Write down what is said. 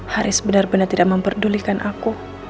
haris benar benar tidak memperdulikan aku